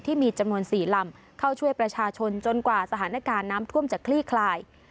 ที่มีจำนวน๔ลำเข้าช่วยประชาชนจนกว่าสถานการณ์น้ำท่วมจะคลี่คลาย